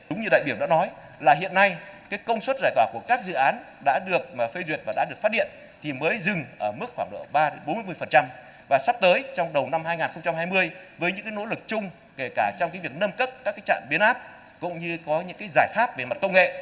đúng như đại biểu đã nói là hiện nay cái công suất giải tỏa của các dự án đã được phê duyệt và đã được phát điện thì mới dừng ở mức khoảng độ ba bốn mươi và sắp tới trong đầu năm hai nghìn hai mươi với những cái nỗ lực chung kể cả trong cái việc nâm cất các cái trạng biến áp cũng như có những cái giải pháp về mặt công nghệ